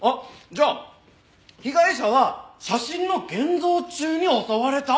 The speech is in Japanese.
じゃあ被害者は写真の現像中に襲われた？